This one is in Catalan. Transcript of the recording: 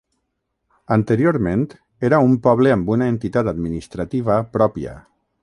Anteriorment era un poble amb una entitat administrativa pròpia.